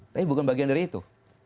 tapi bukan bagian dari itu